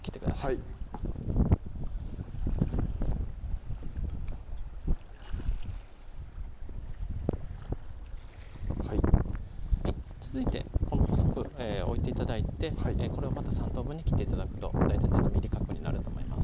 はいはい続いてこの細く置いて頂いてこれをまた３等分に切って頂くと大体７ｍｍ角になると思います